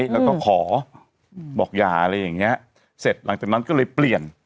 แล้วก็ขอบอกอย่าอะไรอย่างเงี้ยเสร็จหลังจากนั้นก็เลยเปลี่ยน